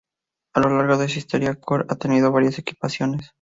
A lo largo de su historia, Cork ha tenido varias equipaciones.